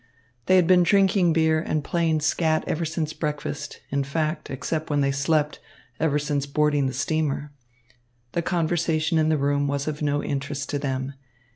They had been drinking beer and playing skat ever since breakfast, in fact, except when they slept, ever since boarding the steamer. The conversation in the room was of no interest to them.